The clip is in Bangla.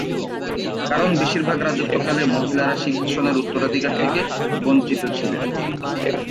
কারণ বেশিরভাগ রাজত্বকালে মহিলারা সিংহাসনের উত্তরাধিকার থেকে বঞ্চিত ছিলেন।